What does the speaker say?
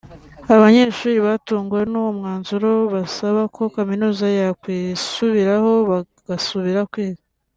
Abanyeshuri batunguwe n’uwo mwanzuro basaba ko kaminuza yakwisubiraho bagasubira kwiga